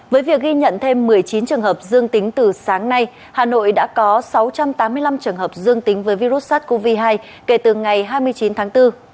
với việc ghi nhận thêm một mươi chín trường hợp dương tính từ sáng nay hà nội đã có sáu trăm tám mươi năm trường hợp dương tính với virus sars cov hai kể từ ngày hai mươi chín tháng bốn